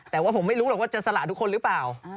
แต่ว่าผมไม่รู้หรอกว่าจะสละทุกคนหรือเปล่า